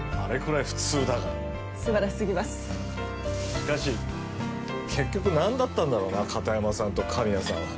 しかし結局なんだったんだろうな片山さんと神谷さんは。